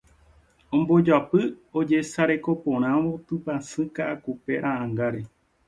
ombojoapy ojesarekoporãvo Tupãsy Ka'akupe ra'ãngáre.